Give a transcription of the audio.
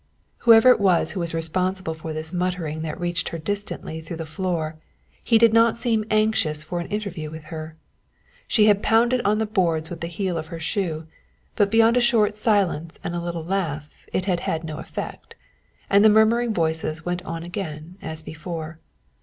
Whoever it was who was responsible for this muttering that reached her distantly through the floor, he did not seem anxious for an interview with her. She had pounded on the boards with the heel of her shoe, but beyond a short silence and a little laugh it had had no effect, and the murmuring voices went on again as before.